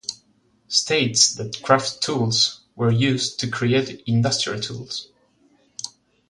States that craft tools were used to create industrial tools.